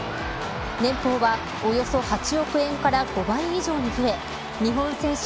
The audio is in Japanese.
年俸はおよそ８億円から５倍以上に増え日本選手